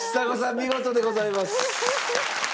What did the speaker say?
見事でございます。